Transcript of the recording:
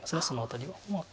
その辺りは。